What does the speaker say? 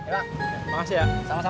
lain kali dia udah balik